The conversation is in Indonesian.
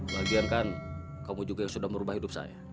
bagian kan kamu juga yang sudah merubah hidup saya